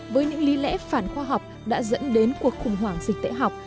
với những lý lẽ phản khoa học đã dẫn đến cuộc khủng hoảng dịch tễ học